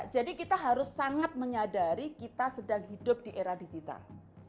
jadi kita harus sangat menyadari kita sedang hidup di era digital